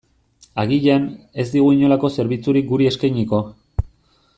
Agian, ez digu inolako zerbitzurik guri eskainiko.